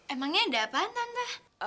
emangnya ada apaan tante